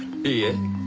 いいえ。